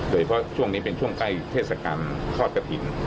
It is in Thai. โดยเพราะช่วงนี้เป็นช่วงใกล้เทศกาลทอดกระถิ่น